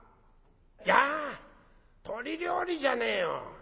いや鶏料理じゃねえよ。